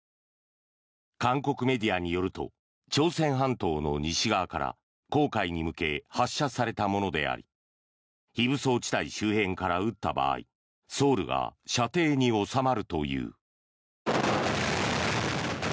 韓国メディアによると朝鮮半島の西側から黄海に向け発射されたものであり非武装地帯周辺から撃った場合ソウルが射程に収まるという。